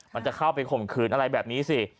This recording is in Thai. มันจะเข้าไปข่มขืนอะไรแบบนี้สิ